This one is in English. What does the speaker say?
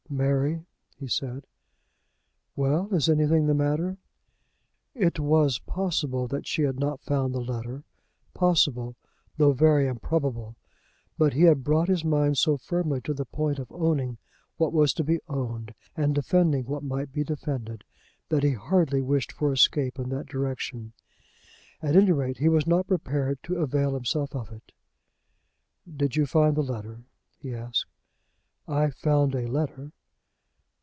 "Mary," he said. "Well; is anything the matter?" It was possible that she had not found the letter, possible, though very improbable. But he had brought his mind so firmly to the point of owning what was to be owned and defending what might be defended, that he hardly wished for escape in that direction. At any rate, he was not prepared to avail himself of it. "Did you find the letter?" he asked. "I found a letter."